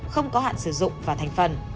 không có hạn sử dụng và thành phần